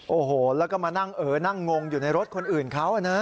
โอ้โหแล้วก็มานั่งเออนั่งงงอยู่ในรถคนอื่นเขานะ